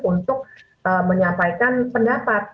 untuk menyampaikan pendapat